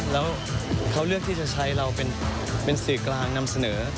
แล้วเขาเลือกที่จะใช้เราเป็นสื่อกลางนำเสนอ